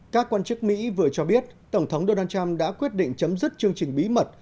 các quan chức mỹ vừa cho biết tổng thống donald trump đã quyết định chấm dứt chương trình bí mật